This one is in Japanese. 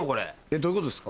どういうことですか？